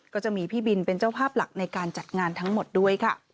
ก็จะมีพี่บินเป็นเจ้าภาพหลักในการจัดงานทั้งหมดด้วยค่ะ